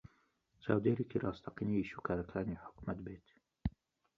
چاودێرێکی ڕاستەقینەی ئیشوکارەکانی حکوومەت بێت